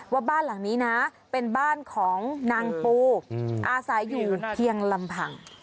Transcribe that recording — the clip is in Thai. ว่าบ้านหลังนี้นะเป็นบ้านของนางปูอาศัยอยู่เพียงลำพัง